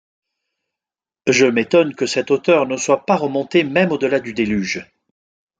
Je m’étonne que cet auteur ne soit pas remonté même au-delà du déluge.